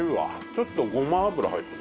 ちょっとごま油入ってます？